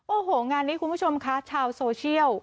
โอ้โหงานนี้คุณผู้ชมคะชาวโซเชียล